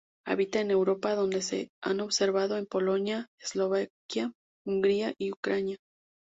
Habita en Europa, donde se han observado en Polonia, Eslovaquia, Hungría, y Ucrania.